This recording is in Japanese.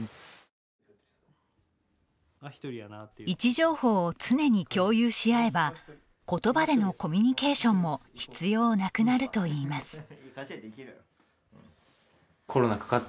位置情報を常に共有し合えばことばでのコミュニケーションも必要なくなるといいます。